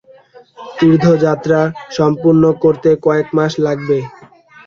তীর্থযাত্রা সম্পূর্ণ করতে কয়েক মাস লাগবে।